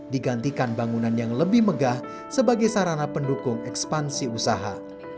digantikan bangunan yang lebih megah sebagai sarana pendukung ekspansi usaha